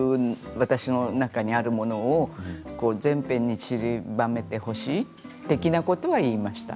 私の中にあるものを全編に散りばめてほしいってそういう的なことは言いました。